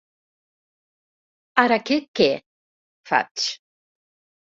Ara que què? —faig.